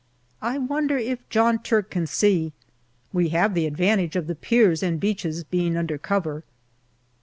I wonder if John Turk can see. We have the advantage of the piers and beaches being under cover.